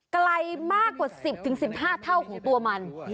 ไกลมากกว่า๑๐๑๕เท่าของตัวมัน